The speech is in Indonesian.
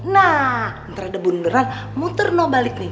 nah ntar ada bunderan muter mau balik nih